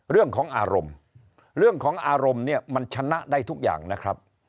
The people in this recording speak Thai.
เรื่องของอารมณ์เรื่องของอารมณ์เนี่ยมันชนะได้ทุกอย่างนะครับ